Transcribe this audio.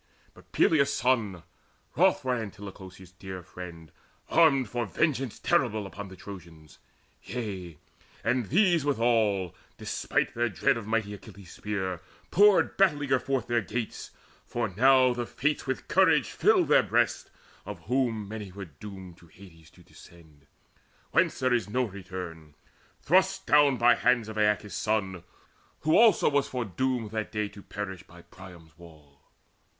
But Peleus' son, wroth for Antilochus His dear friend, armed for vengeance terrible Upon the Trojans. Yea, and these withal, Despite their dread of mighty Achilles' spear, Poured battle eager forth their gates, for now The Fates with courage filled their breasts, of whom Many were doomed to Hades to descend, Whence there is no return, thrust down by hands Of Aeacus' son, who also was foredoomed To perish that same day by Priam's wall.